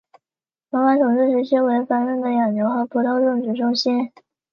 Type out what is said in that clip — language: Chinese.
罗马统治时期为繁荣的养牛和葡萄种植中心。